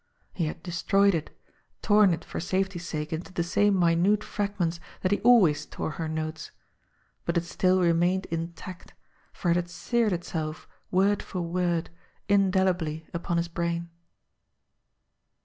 He had destroyed it, torn it for safety's sake into the same minute fragments that he always tore her notes ; but it still remained intact, for it had seared itself word for word indelibly upon his brain.